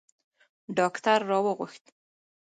ډاکتر را وغوښت.